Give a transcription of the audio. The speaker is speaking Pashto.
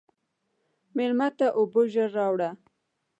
مېلمه ته اوبه ژر راوله.